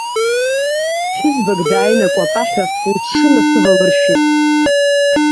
Ԥҳәызбак дааин акәапаҳәа лҽынасывалыршәит.